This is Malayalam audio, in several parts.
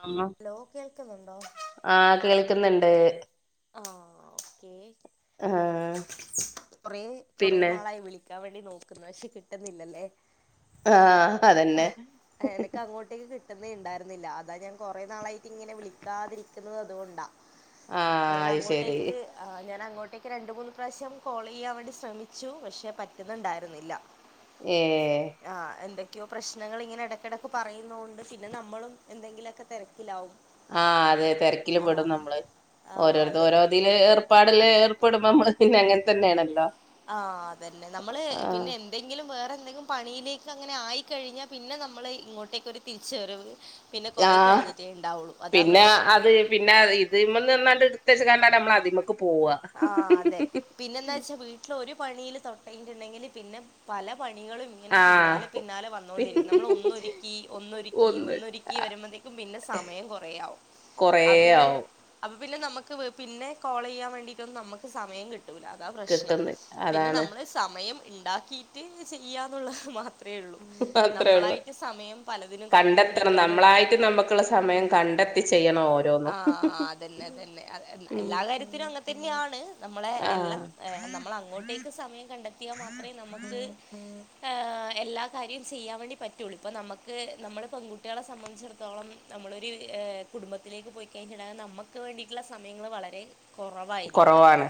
അലോ ഹലോ കേൾക്കുന്നുണ്ടോ ആ കേൾക്കിന്നിണ്ട് ആഹ് [unintelligible] കൊറെ കൊറെ പിന്നെ നാളായി [unintelligible] [unintelligible] നോക്കുന്നെ [unintelligible] കിട്ടുന്നില്ലല്ലേ ആ അതന്നെ [unintelligible] കിട്ടിന്നെണ്ടായിരുന്നില്ല അതാഞാൻ കുറെേ നാളായിട്ട് ഇങ്ങനെ വിളിക്കാതിരിക്കുന്നത് അതുകൊണ്ടാ ആ ഞാൻ അയിശെരി അങ്ങോട്ടേക്ക് ആഹ് ഞാൻ അങ്ങോട്ടേക്ക് രണ്ട് മൂന്ന് പ്രാവശ്യം കോളിയ്യാൻ വേണ്ടി ശ്രമിച്ചു പക്ഷെ പറ്റുന്നുണ്ടായിരുന്നില്ല ഏ [unintelligible] പ്രശ്നങ്ങളിങ്ങനെ എടക്കെടയ്ക്ക് പറയുന്നോണ്ട് പിന്നെ നമ്മളും എന്തങ്കിലുമൊക്കെ തെരക് ആ അതെ ആഹ് തെരക്കിലുപെടും നമ്മള് ആഹ് ഓരോർതോ അതെ ഓരോതിൽ ഏർപ്പാടില് ഏർപ്പെടുമ്പോ ഞമ്മൾ പിന്നെ അങ്ങനെതന്നെണാല്ലോ ആ അതന്നെ നമ്മള് പിന്നെ എന്തെങ്കിലും വേറെ എന്തെങ്കിലും പണിയിലേക്ക് അങ്ങനെ ആയിക്കഴിഞ്ഞാൽ പിന്നെ നമ്മള് ഇങ്ങോട്ടേക്കൊരു തിരിച്ചുവരവ് പിന്നെ ആ കൊറേ കഴിഞ്ഞിട്ടേ ഉണ്ടാവുള്ളൂ അതാ പിന്നെ പ്രശ്നം അത് പിന്നെ [unintelligible] [unintelligible] ആ അതെ, പിന്നെന്താച്ചാ വീട്ടില് ഒരു പണിയില് തൊടങ്ങിയിട്ടുണ്ടെങ്കില് പിന്നെ പല പണികളും ഇങ്ങനെ ആഹ് പിന്നാലെ പിന്നാലെ വന്നോണ്ടിരിക്കും നമ്മൾ ഒന്നൊരിക്കി ഒന്നൊരിക്കി ഒന്ന് ഒന്നരിക്കി വരുമ്പതെ പിന്നെ സമയം കൊറെയാവും കൊറെ ആവും പിന്നെ നമുക്ക് വപിന്നെ കോളിയ്യാൻ വേണ്ടിട്ടൊന്ന് നമ്മക്ക് സമയം കിട്ട് അതാ പ്രശ്നം കിട്ടുന്ന് പിന്നെ അതാണ് നമ്മള് സമയം ഇണ്ടാക്കിട്ട് ചെയ്യാന്നുള്ളത് ഹ് മാത്രം അത്രേള്ളൂ അത്രേ ഉള്ളു നമ്മളായിട്ട് സമയം പലതിനും കണ്ടെത്തണം കണ്ടുപിടിക്കാന്ന് മാത്രേ നമ്മളായിട്ട് നമുക്കുള്ള സമയം കണ്ടെത്തി ചെയ്യണം ആ ഓരോന്നും അതെന്നെ അതെന്നെ അതെന്നെ ഉം എല്ലാ കാര്യത്തിനും അങ്ങനെതന്നെയാണ് നമ്മളെ എല്ലാം ആഹ് നമ്മൾ അങ്ങോട്ടേക്ക് സമയം കണ്ടെത്തിയാൽ മാത്രമേ നമ്മക്ക് എല്ലാ കാര്യം ചെയ്യാൻ വേണ്ടി പറ്റുള്ളൂ ഇപ്പൊ നമ്മുക്ക് നമ്മുടെ പെൺകുട്ടികളെ സംബന്ധിച്ചിടത്തോളം നമ്മളൊരു കുടുംബത്തിലേക്ക് പോയികഴിഞ്ഞിട്ടാ നമ്മുക്ക് വേണ്ടിയിട്ടുള്ള സമയങ്ങൾ വളരെ [unintelligible] കുറവായിരിക്കുവല്ലോ കൊറവാണ്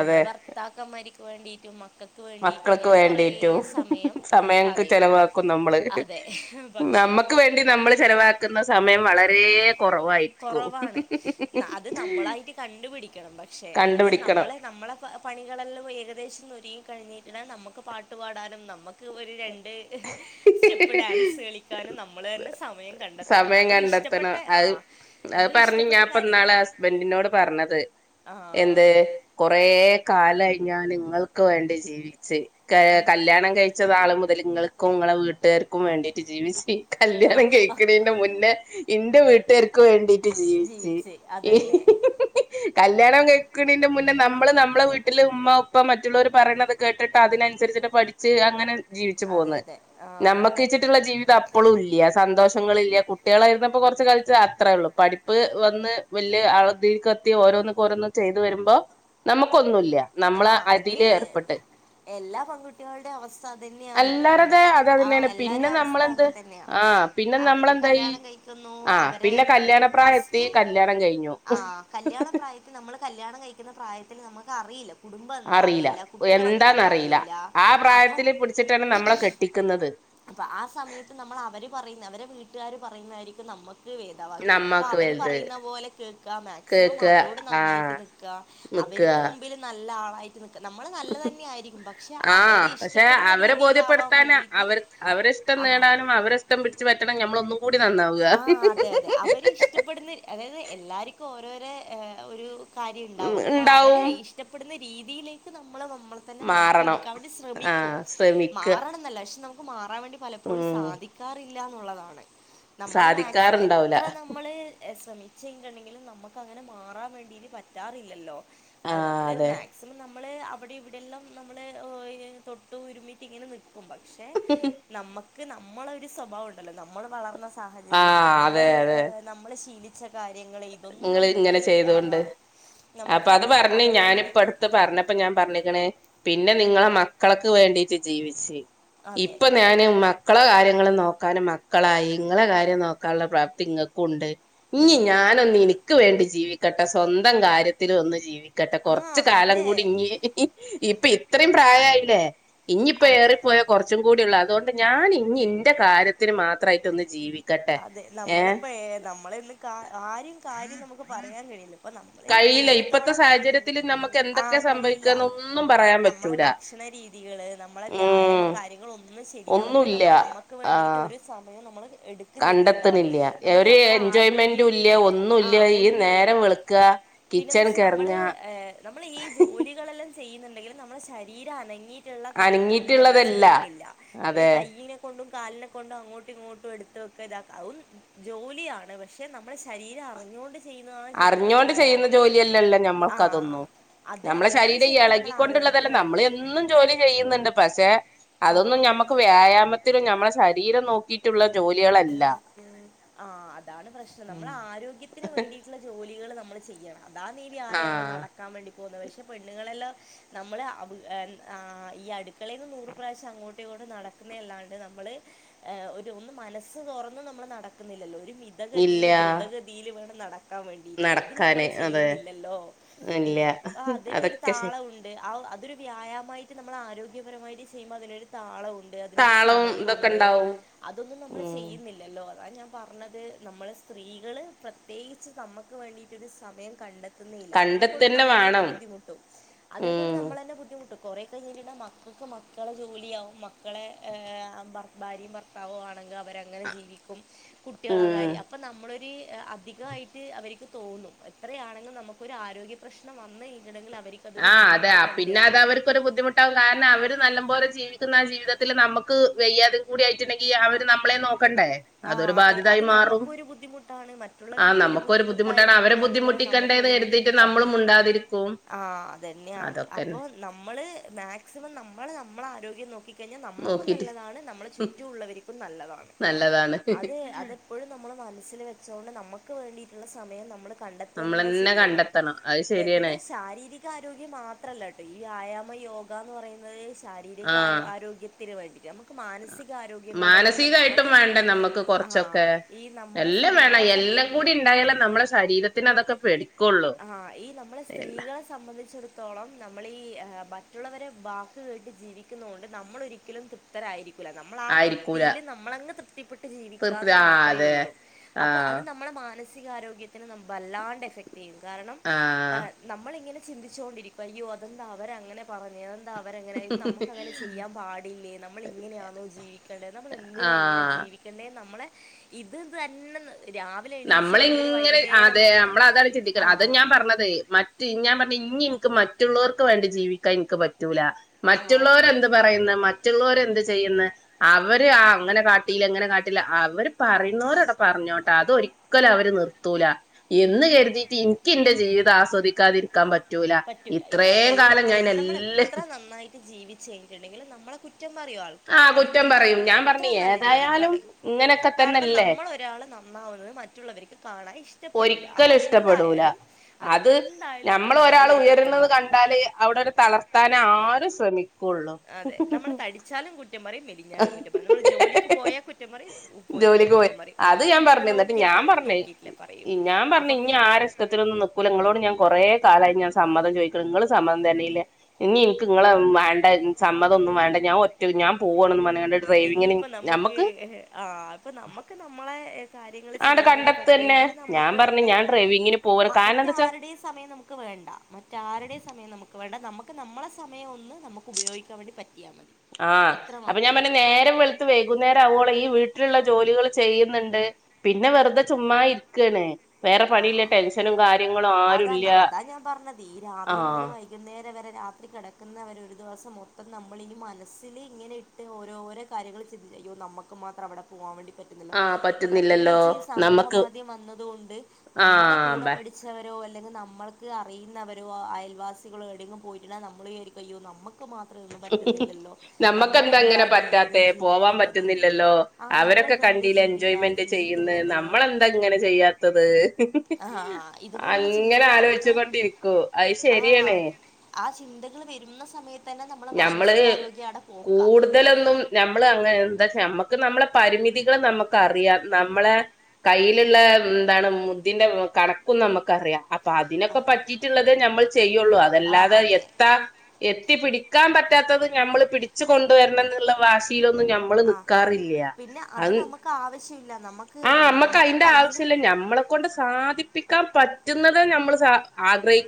അതെ നമ്മള് ഭർത്താക്കന്മാർക്ക് വേണ്ടിട്ട് [unintelligible] മക്കൾക്ക് വേണ്ടിട്ടും സമയം [unintelligible] കളയും ചെിലവാക്കും നമ്മള് അതെ പക്ഷെ നമ്മുക്ക് വേണ്ടി നമ്മൾ ചെിലവാക്കുന്ന സമയം വളരെ കൊറവായിരിക്കും കുറവാണ് അത് നമ്മളായിട്ട് കണ്ടുപിടിക്കണം പക്ഷെ എന്നവച്ചാ കണ്ടുപിടിക്കണം നമ്മളെ നമ്മളെ പണികളെല്ലാം ഏകദേശം [unintelligible] കഴിഞ്ഞിരിന്നാൽ നമ്മുക്ക് പാട്ട് പാടാനും നമ്മുക്ക് [unintelligible] രണ്ട് സ്റ്റെപ്പ് ഡാൻസ് കളിക്കാനും നമ്മൾ തന്നെ സമയം കണ്ടെത്തണം നമ്മുക്ക്ഷ് [unintelligible] അത് അത് പറഞ്ഞ് കാര്യങ്ങൾ ഞാപ്പൊന്നാളെ ഹസ്ബൻഡിനോട് പറഞ്ഞത് ആ എന്ത് കൊറേ കാലായി ഞാൻ നിങ്ങൾക്ക് വേണ്ടി ജീവിച്ച് ക ആ, കല്യാണം [unintelligible] [unintelligible] മുതൽ നിങ്ങൾക്കും നിങ്ങളെ വീട്ടുകാർക്കും വേണ്ടിട്ട് ജീവിച്ച് ആ, കല്യാണം ആ, കേൾക്കണതിന്റെ മുന്നേ എന്റെ വീട്ടുകാർക്ക് വേണ്ടി ജീവിച്ച് [unintelligible] കല്യാണം കേഴിക്കണതിന്റെ മുന്നേ നമ്മള് നമ്മളെ വീട്ടില് ഉമ്മ, ഉപ്പ, മറ്റുള്ളവർ പറയണത് കേട്ടിട്ട് അതിനനുസരിച്ച് [unintelligible] പഠിച്ച് അങ്ങനെ ജീവിച്ചു അതെ പോകന്ന് അതെ ആ നമ്മക്ക് വച്ചിട്ടുള്ള ജീവിതം അപ്പളും ഇല്ല്യ സന്തോഷങ്ങളില്ല കുട്ടികളായിരുന്നപ്പോ കുറച്ച് കളിച്ച അത്രേള്ളൂ പഠിപ്പ് വന്ന് വലിയ [unintelligible] ഓരോന്നും ഓരോന്നും ചെയ്ത് വരുമ്പോ നമുക്കൊന്നുല്ല നമ്മള ആ അത് അതിൽ ഏർപ്പെട്ട് എല്ലാ പെൺകുട്ടികളുടെ അവസ്ഥ അതന്നെയാണ് അല്ലാറതെ അത് ആ തന്നെയാണ് പിന്നെ എല്ലാരേം അവസ്ഥ നമ്മളെന്ത് അങ്ങനതന്നെയ ആഹ് പിന്നെ അവര് [unintelligible] നമ്മളെന്തായി കല്യാണം കഴിക്കുന്നു ആഹ് അവരെ പിന്നെ കല്യാണപ്രായത്തി ഫസ്റ്റ് കല്യാണം കഴിഞ്ഞു ആ കല്യാണപ്രായത്തിൽ നമ്മൾ [unintelligible] കല്ല്യാണം കഴിക്കുന്ന പ്രായത്തിൽ നമുക്ക് അറിയില്ല കുടുംബം എന്താ അറിയില്ല, കുട്ടികൾെന്താന്ന് എന്താന്നറിയില്ല അറിയില്ല ആ അപ്പൊ പ്രായത്തില് പിടിച്ചിട്ടാണ് നമ്മളെ [unintelligible] കെട്ടിക്കുന്നത് അപ്പൊ ആ സമയത്ത് നമ്മൾ അവര് പറയുന്ന അവരെ വീട്ടുകാര് പറയുന്നതായിരിക്കും നമ്മക്ക് ഭേദാവാക്യം അപ്പൊ നമ്മക്ക് അവര് വലുത് പറയുന്ന പോലെ കേക്ക മാക്സിമം കേക്ക അവരോട് നന്നായിട്ട് ആഹ് നിക്ക അവർക്ക് നിക്ക മുമ്പിൽ നല്ല ആളായി നമ്മളെ നല്ല തന്നെ ആയിരിക്കും പക്ഷെ ആഹ് അവര് പക്ഷെ ഇഷ്ടപ്പെടുന്ന അവരെ രീതിയിലാവാൻ ബോധ്യപ്പെടുത്താന് വേണ്ടിട്ട് അവർ അവരെ ഇഷ്ടം നേടാനും അവരെഷ്ടം പിടിച്ചു പറ്റണം നമ്മള ഒന്നും കൂടി നന്നാവുക ആ അതെ അതെ അവര് ഇഷ്ടപ്പെടുന്ന അതായത് എല്ലാർക്കും ഓരോര ഒരു കാര്യം ഉണ്ടാവല്ലോ അപ്പൊ അവര് ഉണ്ടാവും ഇഷ്ടപ്പെടുന്ന രീതിയിലേക്ക് ന നമ്മെ തന്നെ മാറണം മാറ്റെടുക്കാൻ വേണ്ടി ശ്രമിക്കും ആഹ് ശ്രമിക്ക മാറണ ന്നല്ലാ പക്ഷേ മാ റാൻ വേണ്ടി പലപ്പോഴും ഉം സാധിക്കാറില്ല എന്നുള്ളതാണ് നമ്മള് മാക്സിമം സാധിക്കാറുണ്ടാവൂല എത്ര നമ്മൾ ശ്രമിച്ചിണ്ടെങ്കിലും നമുക്ക് അങ്ങനെ മാറാൻ വേണ്ടിയിട്ട് പറ്റാറില്ലല്ലോ അത് ആഹ് നമ്മള് അതെ മാക്സിമം നമ്മ നമ്മൾ അവിടെ ഇവിടെല്ലാം നമ്മൾ തൊട്ട് ഉരുമിറ്റ് ഇങ്ങനെ നിൽക്കും പക്ഷെ നമുക്ക് നമ്മള ഒരു സ്വഭാവം ഉണ്ടല്ലോ നമ്മൾ വളർന്ന സാഹചര്യം ആഹ് നമ്മൾ അതെ അതെ നമ്മൾ ശീലിച്ച കാര്യ കാര്യങ്ങൾ ഇതൊന്നും നിങ്ങൾ നമ്മുക്ക് ഇങ്ങനെ ആ ചെയ്തോണ്ട് നമുക്ക് അപ്പൊ അത് പറഞ്ഞ് അവരെ ഞാനിപ്പ രീതിക്ക് അടുത്ത് പറഞ്ഞപ്പ ഞാൻ പറഞ്ഞിക്ക്ണ് പിന്നെ നിങ്ങള മക്കൾക്ക് വേണ്ടി ട്ട് ജീവിച്ച് അതെ ഇപ്പം ഞാന് മക്കൾ കാര്യം ഞങ്ങളെ നോക്കാനും മക്കളായി ഇങ്ങളെ കാര്യം നോക്കാനുള്ള പ്രാപ്തി ഇങ്ങക്കുണ്ട് ഇനി ഉം ഞാനൊന്ന് എനിക്ക് വേണ്ടി ജീവിക്കട്ടെ സ്വന്തം കാര്യത്തിൽ ഒന്ന് ജീവിക്ക ക്കട്ട ആ കൊറച്ച് കാലം അതെ കൂടി ഇഞ്ഞ് ഇപ്പൊ ഇത്രയും പ്രായായില്ലേ ഇഞ്ഞിപ്പോ അ- ഏറിപ്പോയാ കുറച്ചും കൂടിള്ളൂ അതുകൊണ്ട് ഞാൻ ഇനി ഇന്റെ കാര്യത്തിന് മാത്രമായിട്ട് ഒന്ന് ജീവി അതെ നമ്മളപ്പോ നമ്മള ഇന്ന് കാ ആരും കാര്യം നമുക്ക് പറയാൻ കഴിയില്ലോ കഴിയില്ല ഇപ്പത്തെ സാഹചര്യത്തില് നമുക്ക് എന്തൊക്കെയാ ആഹ് കഴിയില്ല സംഭവിക്കാന്ന് ഒന്നും പറയാൻ നമ്മളെ പറ്റൂല ഭക്ഷണ രീതികള് നമ്മളെ വ്യായാമം ഉം കാര്യങ്ങള ഒന്നും ശരിയാവുന്നില്ല ഒന്നുല്ല നമ്മൾ നമുക്ക് വേണ്ടിയിട്ട് ഒരു സമയം നമ്മൾ കണ്ടെത്ത്ണില്ല ഒരു ആരോഗ്യം എൻജോയ്മെന്റുല്ല ഒന്നുംല്ല ആഹ് ഈ ഒന്നുല്ല നേരം വെള്ക്കാ പിന്നെന്ന് വെച്ചാ നമ്മള് നമ്മൾ ഈ ജോലികളെല്ലാം ചെയ്യുന്നുണ്ടെങ്കിലും നമ്മളെ ശരീരം അനങ്ങി ട്ടുള്ള കാര്യങ്ങളൊന്നും നമ്മൾ അനങ്ങിയിട്ടുള്ളതല്ല ചെയ്യുന്നില്ല നമ്മൾ ഈ അതെ കയ്യിനെ കൊണ്ടും, കാലിനെ കൊണ്ടും അങ്ങോട്ടും ഇങ്ങോട്ടും എടുത്ത് ഇതാക്ക അതും ജോലിയാണ് പക്ഷെ നമ്മുടെ ശരീരം അറിഞ്ഞുകൊണ്ട് ചെയ്യുന്നതാണ് ശരിക്കും അറിഞ്ഞോണ്ട് ചെയ്യുന്ന വ്യായാമം ജോലിയല്ലല്ലോ ആ. ഞമ്മൾക്ക് അതൊന്നും അത് നമ്മളെ അതാണ് ശരീരം ശരിക്കും നമ്മളെ ഇളകിക്കൊണ്ടുള്ളതല്ല ആരോഗ്യത്തിന് നമ്മൾ വേണ്ടത്. എന്നും ജോലി ചെയ്യുന്നുണ്ട് പക്ഷെ ആ. അതൊന്നും നമ്മുക്ക് വ്യായാമത്തിൽ നമ്മളെ ശരീരം നോക്കിയിട്ടുള്ള ഉ ജോലികളല്ല ഉ ആ അതാണ് പ്രശ്നം ഉം നമ്മുടെ ആരോഗ്യത്തിന് വേണ്ടിയിട്ടുള്ള ജോലികൾ നമ്മൾ ചെയ്യണം അതാ ഈ വ്യായാമം ആഹ് നടക്കാൻ വേണ്ടി പോകുന്നത് പക്ഷെ പെണ്ണുങ്ങളെല്ലാം നമ്മള് ഈ അടുക്കളയിൽന്ന് നൂറ് പ്രാവശ്യം അങ്ങോട്ട് ഇങ്ങോ നടക്കുന്നല്ലാണ്ട് നമ്മള് ഒര് ഒന്ന് മനസ് മനസ് തുറന്ന് നമ്മള് നടക്കുന്നില്ലല്ലോ ഒരു മിതഗതിയിൽ ഇല്ല ദ്രുതഗതിയിൽ വേണം നട ക്കാൻ വേണ്ടീട്ട് അത് നടക്കാന് നമ്മള് അതെ ചെയ്യുന്നില്ലല്ലോ ഇല്ല അതിനൊരു അതൊക്കെ ശരി താളമുണ്ട് ആ അതൊരു വ്യായാമായിട്ട് നമ്മൾ ആരോഗ്യപരമായിട്ട് ചെയ്യുമ്പോൾ അതിനൊരു താളംമുണ്ട് ണ്ട് അതിനൊരു താളവും ഇതൊക്കെ സമയമുണ്ട് ഇണ്ടാവും അതൊന്നും നമ്മൾ ഉം ചെയ്യുന്നില്ലല്ലോ? അതാ ഞാൻ പറഞ്ഞത് നമ്മൾ സ്ത്രീകള് പ്രത്യേകിച്ച് നമുക്ക് വേണ്ടിയിട്ട ഒരു സമയം കണ്ടെത്ത ന്നില്ല അതിനെ കൊണ്ട് കണ്ടെത്തന്നെ നമ്മൾ തന്നെ വേണം ബുദ്ധിമുട്ടും അതിനെ കൊണ്ട് ഉം നമ്മൾ തന്നെ ബുദ്ധിമുട്ടും. കുറേ കഴിഞ്ഞിട്ടുണ്ടാൽ മക്കൾക്ക് മക്കളെ ജോലിയാവും മക്കളെ ഭർ ഭാര്യയും ഭർത്താവും ആണെങ്കിൽ അവരെ അങ്ങനെ ജീവിക്കും കുട്ടികള ഉം കാര്യം അപ്പൊ നമ്മളൊരു അധികമായിട്ട് അവർക്ക് തോന്നും എത്രയാണെങ്കിലും നമുക്കൊരു ആരോഗ്യപ്രശ്നം വന്ന് കഴി - ആഹ് അതെ പിന്നെ അത് അവർക്കൊരു ബുദ്ധിമുട്ടാവും കാരണം അവര് നല്ല പോലെ ജീവിച്ചു പറ്റുന്ന ആ ജീവിതത്തില് നമുക്ക് വയ്യാതയും കൂടി ആയിട്ടുണ്ടെങ്കിൽ അവര് നമ്മളെ നോക്ക ആഹ അതെ അത് നമ്മുക്കും ഒരു ബുദ്ധിമുട്ടാണ് മറ്റുള്ളവർക്കും ഒരു ബുദ്ധിമുട്ടായിരിക്കുക എന്നുള്ളത് ക്കണ്ടന്ന് കരുതീട്ട് നമ്മളും മുണ്ടാതിരിക്കും. ആ അത് തന്നെയാണ് അതൊക്കെന്നെ അപ്പോൾ നമ്മള് മാക്സിമം നമ്മൾ നമ്മളെ ആരോഗ്യം നോക്കി കഴിഞ്ഞാൽ നമുക്കും നോക്കീട്ട് നല്ലതാണ് നമ്മളെ ചുറ്റുമുള്ളവർക്കും നല്ലതാണ്. നല്ലതാണ്. അത് അതെപ്പോഴും നമ്മൾ മനസ്സിൽ വെച്ചൊണ്ട് നമ്മുക്ക് വേണ്ടിട്ടുള്ള സമയം നമ്മള് കണ്ടെത്തന്നെ നമ്മളെന്നെ ചെയ്യണം. കണ്ടെത്തണം. അത് ശരിയാണ് പിന്നെ ശാരീരിക ആാരോഗ്യം മാത്രല്ല കേട്ടോ ഈ ആായാമ യോഗ മുക എന്ന് പറയുന്നത് ശാരീരിക ആഹ് ആരോഗ്യത്തിന് വേണ്ടി ന നമുക്ക് മാനസികാരോഗ്യം കൂടെ വേണം നമ്മൾ നമുക്ക് ആ കുറച്ചൊക്കെ ഈ നമ്മൾ എല്ലാം വേണം സ്ത്രീകളെ സം എല്ലാം കൂടി ഉണ്ടായാല് നമ്മളുടെ ശരീരത്തി പി ന്നെ അതൊക്കെ [unintelligible] ആഹ ഈ നമ്മളെ എല്ലാ സ്ത്രീകളെ സംബന്ധിച്ചിടത്തോളം നമ്മളീ ഈ ഏ - മറ്റുള്ളവരെ വാക്ക് കേട്ട് ജീവിക്കുന്നെ കൊണ്ട് നമ്മളൊരിക്കലും തൃപ്തരായിരിക്ക [unintelligible] നമ്മളാ ആ ആയിരിക്കൂല തൃപ്തിയിൽ നമ്മളങ് തൃപ്തിപ്പെട്ട് തീർപ്പ ജീവിക്കാന്ന് ആ മാത്രമേ അതെ ഉള്ളൂ അപ്പൊ അത് ആഹ് നമ്മുടെ മാനസികാരോഗ്യത്തിന് വല്ലാണ്ട് എഫക്ട്.. [unintelligible] കാരണം ആഹ് നമ്മളിങ്ങനെ ചിന്തിച്ചുോണ്ടിരികും അയ്യോ അതെന്താ അവര അങ്ങന പറഞ്ഞെ... അവരെങ്ങനെയ നമുക്ക് അങ്ങനെ ചെയ്യാൻ പാടില്ലേ നമ്മൾ ഇങ്ങനെയാണോ ജീവിക്കണ്ടത് നമ്മൾ എന്തിനാ ഇങ്ങനെ ജീവി ആഹ് ജീവിക്കണ്ടേ നമ്മളെ ഇത് തന്നെ രാവിലെ എണീച്ച മുതൽ വൈകുന്നേരം വരെ അത ഞാൻ ആഹ് പറഞ്ഞത് മറ്റ് ഞാൻ പറഞ്ഞത് ഇന് ക്ക് മറ്റുള്ളവർക്ക് വേണ്ടി ജീവിക്കാൻ എനിക്ക് പറ്റൂല ആഹ് മറ്റുള്ളവർ എന്ത് പറയുന്നെ മ മറ്റുള്ളവരെ എന്ത് ചെയ്യുന്നു അവര് ആ അങ്ങനെ കാട്ടില്ല ഇങ്ങനെ കാട്ടീല്ല അവര് പറയുന്നവരോണ പറഞ്ഞ [unintelligible] അതൊരി ഒരിക്കലും അവര് നിർത്തൂല എന്ന് ഉം കരുതിയിട്ട് ന്ക്ക് എന്റെ ജീവിതം ആസ്വദിക്കാതിരിക്കാൻ പറ്റ് പറ്റൂല ഇത് എല്ലാ നമ്മൾ എല്ലാം എത്ര നന്നായിട്ട് ജീവിച്ചു കഴിഞ്ഞട്ടുണ്ടെങ്കിലും നമ്മളെ കുറ്റം പറയും ആ ആൾക്കാര് അതിപ്പോ കുറ്റം പറയും ഞാൻ നല്ലത്ര പറഞ്ഞു നല്ല രീതിക്ക് ഏതായാലും ആണെങ്കിലും ഇങ്ങനൊക്കെ കാരണം തന്നെയല്ലേ നമ്മൾ ഒരാള് നന്നാകുന്നത് മറ്റുള്ളവർക്ക് കാണൻ ഇഷ്ടപ്പെടൂല്ല അപ്പോ ഒരിക്കലും ഇഷ്ടപ്പെടൂല എന്തായാലും അതെ അത് എന്തായാലും അപ്പോ ഞമ്മൾ ഒരാൾ നമ്മളെ ഒരു കുറ്റം ഉയരുന്നത് പറയും കണ്ടാല് അവിടെരു തളർത്താൻ ആരും ശ്രമി ക്കുള്ളു അതെ നമ്മൾ [unintelligible] [unintelligible] കുറ്റം പറയും ഇനി ഞമ്മൾ ജേലിക്ക് പോയാ കുറ്റം പറയും പോയിട്ടില്ലെ ജോലിക്ക് പോയി കുറ്റംപറയും അത് ഞാൻ കുട്ടിനെ പറഞ്ഞു എന്നിട്ട് നോക്കിയാ ഞാൻ പറഞ്ഞ് ഞാൻ പറഞ്ഞ് ഇനി പിന്നെ ആരെഇഷ്ടതിനൊന്നുംനിക്കൂല ഇങ്ങളോട് ഞാൻ കൊറെ കാലായി ഞാന് സമ്മതം ചോദിക്കണം ഇങ്ങള് സമ്മതം തന്നില്ലെ ഇനി ഇന്ക്ക് ഇങ്ങളെ വേണ്ട സമ്മതൊന്നും വേണ്ട ഞാൻ ഒറ്റ ഞാൻ പോവാണ്ന്ന് [unintelligible] ഇനിയിപ്പ നമ്മക് [unintelligible] നമ്മക്ക് നമ്മളെ കാര്യങ്ങള് ആടെ ചെയ്യാൻ വേണ്ടി കണ്ടത്തെന്നെ പറ്റുമെങ്കില് ഞാൻ നമ്മക്ക് പറഞ്ഞ് തന്നെ ഞാൻ ഡ്രൈവിംഗ് മ മറ്റാരുടെയും സമയം നമുക്ക് വേണ്ട മറ്റാരുടെയും സമയം നമുക്ക് വേണ്ട നമുക്ക് നമ്മളെ സമയൊന്ന് നമുക്ക് ഉപയോഗിക്കാൻ വേണ്ടി പറ്റ ആ അപ്പൊ ഞാൻ [unintelligible] നേരം വെളുത്ത് വൈകുന്നേരം ആവേളം ഈ വീട്ടിലുള്ള ജോലികൾ ചെയ്യുന്നുണ്ട് പിന്നെ വെറുതെ ചുമ്മാ [unintelligible] ആ പണിയില്ല ടെൻഷനും കാര്യങ്ങളും ആരുല്ല അതാന്ന അതാ ഞാൻ പറഞ്ഞത് ഈ രാവിലെ മുതൽ ആഹ് വൈകുന്നേരം വരെ രാത്രി കിടക്കുന്നവരെ ഒരു ദിവസം മൊത്തം നമ്മളി മനസ്സിൽ ഇങ്ങനെ ഇട്ട് ഓരോരോ കാര്യങ്ങൾ ചിന്തി അയ്യോ നമ്മക്ക് മാത്രം അവിടെ പോവാൻ വേണ്ടി പറ്റില്ലല്ലോ ആഹ് ഇപ്പോ പറ്റുന്നില്ലല്ലോ പ്രത്യേകിച്ച് ഈ നമ്മക്ക് സമൂഹമാധ്യം വന്നത് കൊണ്ട് നമ്മളെ ആഹ് കൂടെ ബ പഠിച്ചവ അല്ലെങ്കിൽ നമ്മൾക്ക് അറിയുന്നവരോ [unintelligible] അല്ലെങ്കിൽ നമ്മൾക്ക് അറിയുന്നവരോ അയൽവാസികളോ ഏടെങ്കിലും പോയിറ്റിണ്ടെ നമ്മൾ വിചാരിക്കും അയ്യോ നമ്മ [unintelligible] മാത്രോന്നും പറ്റുന്നില്ലല്ലോ നമ്മൾ നമ്മക്കെന്താ എന്താ ഇങ്ങനെ ജീവിതം പറ്റാത്തെ ജീവിക്കുന്നത് ആ ന്ന [unintelligible] ക്കണ്ടീലെ എൻജോയ്മെന്റ് ചെയ്യുന്നെ നമ്മളെന്താ ഇങ്ങനെ ചെയ്യാത്തത് ആ [unintelligible] ഇതുപോലുള്ള അങ്ങനെ ചിന്തകൾ നമുക്ക് ആലോചിച്ചൊണ്ടിരിക്കൂ അത് ആഹ് ശരിയണേ ആ ചിന്തകൾ വരുന്ന സമയത്തെന്നെ ഞമ്മൾ കൂടുതലൊന്നും ഞമ്മൾ അങ്ങനെ എന്താച്ചാ നമുക്ക് നമ്മളെ പരിമിതികൾ നമുക്ക് അറിയാം നമ്മളെ കയ്യിലുള്ള എന്താണ് മുദിന്റെ കണക്കും നമ്മുക്കറിയാം അപ്പൊ അതിനൊക്കെ പറ്റിയിട്ടുള്ളതേ നമ്മൾ ചെ ആഹ് അതെ പറ്റാത്തത് നമ്മൾ പിടിച്ച് കൊണ്ടുവരണം എന്നുള്ള വാശിയി നും ഞമ്മള് ആഹ് നിക്കാറില്ല പിന്നെ അ അത് നമുക്ക് ആവശ്യമില്ല നമുക്ക് ആ ഏഹ്, നമുക്ക് അമ്മക്കതിന്റെ കയ്യിൽ ആവശ്യല്ല ഞമ്മളെ കൊണ്ട് സാധിപ്പിക്കാ പറ്റുന്നതെ നമ്മൾ സാ ആഗ്രഹി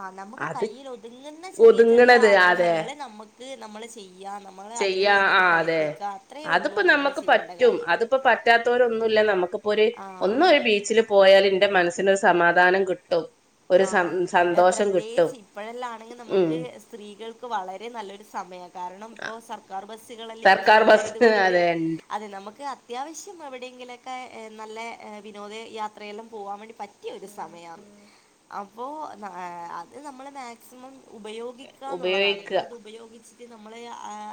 ആ നമുക്ക് കയ്യിലൊതുങ്ങുന്ന ചെറിയ ചെറിയ ഒതുങ്ങണത് അതെ ആഗ്രഹങ്ങള് നമ്മക്ക് നമ്മള് ചെയ്യ ചെയ്യാ ആ അതെ അത്രയേ ഉള്ളൂ അതിപ്പോ നമ്മള് നമ്മക്ക് ചെയ്യേണ്ട പറ്റും കാര്യം അതിപ്പോ പറ്റാത്തൊരോന്നുല്ല നമുക്കിപ്പോര് ആഹ് ഒന്ന് ഒരു ബീച്ചില് പോയാൽ എന്റെ മനസ്സിനൊരു സമാധാനം കി ആ ആ കിട്ടും പ്രത്യേകിച്ച് ഇപ്പഴെല്ലാം ആണെങ്കി ഉം നമ്മക്ക് സ്ത്രീകൾക്ക് വളരെ നല്ലൊരു സ മയ കാരണം ആ, ഇപ്പോ സർക്കാർ ബസ്സ് കളെല്ലാം ഇപ്പ സർക്കാർ ഫ്രീ ബസ് ആയത് കൊണ്ട് അതെ ഉണ്ട് അത് നമ്മക്ക് ക്ക് അത്യാവശ്യം എവിടെങ്കിലൊക്കെ നല്ലെ വിനോദയാത്രയെല്ലാം പോവാൻ വേണ്ടി പറ്റിയൊരു സമയം ആ അപ്പോ അത് നമ്മള് മാക്സിമം ഉപയോഗിക്കാന്നുള്ളതാണ് ഉപയോഗിക്കുക നമ്മളത് ഉപയോഗിച്ച് നമ്മൾ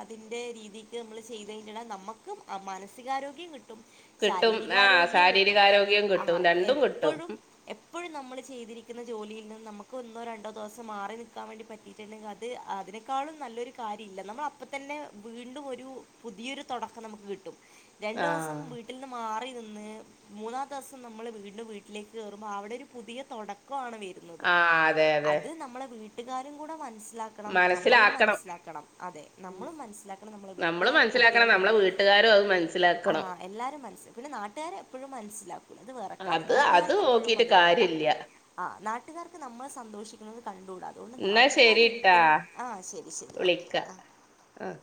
അതിൻ്റെ രീതിക്ക് നമ്മൾ ചെയ്ത് കഴിഞ്ഞാത് നമ്മക്കും മാനസികാരോഗ്യം കിട്ടും കിട്ടും ആ ശാരീരികാരോഗ്യം കിട്ടും ശാരീരികാരോഗ്യം ആ കിട്ടും രണ്ടും കിട്ടും എപ്പോഴും എപ്പോഴും നമ്മൾ ചെയ്തിരിക്കുന്ന ജോലിൽന്ന് നമ്മക്ക് ഒന്നോ രണ്ടോ ദിവസം മാറി നിൽക്കാൻ വേണ്ടി പറ്റിറ്റുണ്ടെങ്കി അത് അതിനെക്കാളും നല്ലൊരു കാര്യം ഇല്ല നമ്മളപ്പതന്നെ വീണ്ടും ഒരു പുതിയൊരു തുടക്കം നമ്മക്ക് കിട്ടും രണ്ടു ആ ദിവസം വീട്ടിൽന്ന് മാറി മൂന്നാമത്തെസം നമ്മൾ വീണ്ടും വീട്ടിലേക്ക് കേറുമ്പോ അവിടെരു പുതിയ തുട ക്കവാണ് വരുന്നത് ആ അതെ അതെ അത് നമ്മളെ വീട്ടുകാരും കൂടെ മനസ്സി മനസിലാക്കണം നമ്മളും മനസ്സിലാക്കണം മനസ്സിലാക്കണം അതെ ഉം. നമ്മളും മനസ്സിലാക്കണം നമ്മളെ നമ്മള് വീട്ടുകാരും മനസ്സിലാക്കണം കുട്ടികളും നമ്മളെ വീട്ടുകാരും അത് ആ മനസ്സിലാക്കണം എല്ലാരും മനസ്സില പിന്നെ നാട്ടുകാര് എപ്പോഴും മനസ്സിലാക്കും അത് അത് നോക്കിട്ട് വേണ്ട കാര്യല്ല ആ നാട്ടുകാർക്ക് നമ്മളെ സന്തോഷിക്കുന്നത് കണ്ടുടാ അതുകൊണ്ട് എന്നാ ശരിട്ടാ നാട്ടുകാരോരിക്കലും ആ ശരി ശരി ഓക്കെ വിളിക്ക ആ ആ